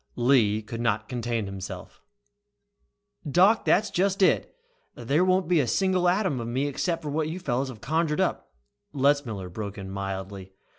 Lee could not contain himself. "Doc, that's just it! There won't be a single atom of me except what you fellows have conjured up " Letzmiller broke in mildly.